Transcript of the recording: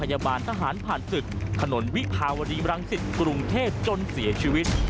โรงพยาบาลทหารผ่านสิทธิ์ขนวิภาวรีรังสิทธิ์กรุงเทศจนเสียชีวิต